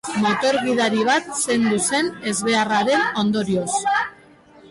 Motor gidari bat zendu zen ezbeharraren ondorioz.